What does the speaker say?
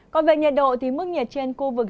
còn về nhiệt độ thì mức nhiệt trên khu vực